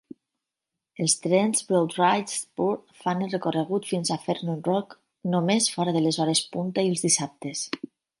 Els trens Broad-Ridge Spur fan el recorregut fins a Fern Rock només fora de les hores punta i els dissabtes.